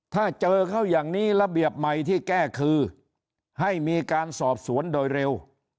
ถ้าเจอเขาอย่างนี้ระเบียบใหม่ที่แก้คือให้มีการสอบสวนโดยเร็ว